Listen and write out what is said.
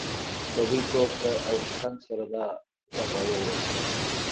ببۍ ټوپ کړه او له کړنګ سره دا غږ را ووت.